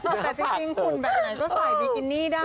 แต่จริงหุ่นแบบไหนก็ใส่บิกินี่ได้